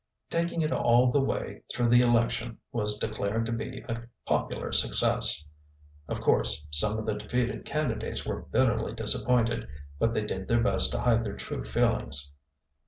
Taking it all the way through the election was declared to be a popular success. Of course some of the defeated candidates were bitterly disappointed, but they did their best to hide their true feelings.